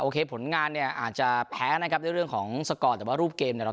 ผลงานเนี่ยอาจจะแพ้นะครับด้วยเรื่องของสกอร์แต่ว่ารูปเกมเนี่ยเรา